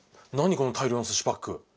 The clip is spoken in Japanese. この大量のすしパック。